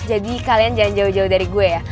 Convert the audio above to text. kalian jangan jauh jauh dari gue ya